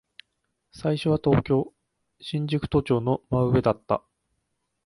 最初は東京、新宿都庁の真上だった。